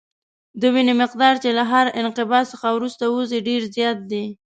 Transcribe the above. د وینې مقدار چې له هر انقباض څخه وروسته وځي ډېر زیات دی.